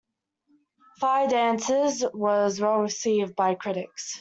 "Fire Dances" was well received by critics.